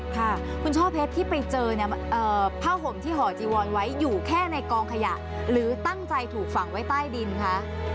ค่ะคุณช่อเพชรที่ไปเจอเนี่ยผ้าห่มที่ห่อจีวอนไว้อยู่แค่ในกองขยะหรือตั้งใจถูกฝังไว้ใต้ดินคะ